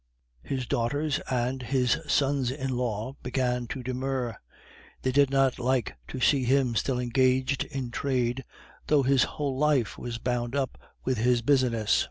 His daughters and his sons in law began to demur; they did not like to see him still engaged in trade, though his whole life was bound up with his business.